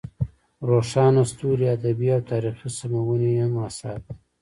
روښان ستوري ادبي او تاریخي سمونې یې هم اثار دي.